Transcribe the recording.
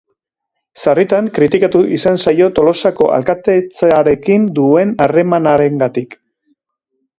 Sarritan kritikatu izan zaio Tolosako alkatetzarekin duen harremanarengatik.